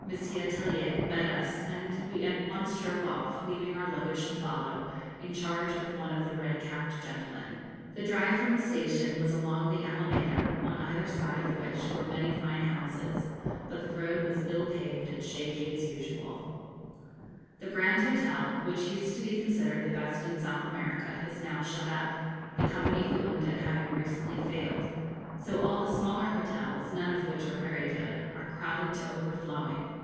Tellier, met us, and we at once drove off, leaving our luggage to follow, in charge of one of the red capped gentlemen. The drive from the station was along the Alameda, on either side of which were many fine houses; but the road was ill paved and shaky as usual. [Illustration: Cacti of the Cordillera] The Grand Hotel, which used to be considered the best in South America, is now shut up, the company who owned it having recently failed; so all the smaller hotels, none of which are very good, are crowded to overflowing.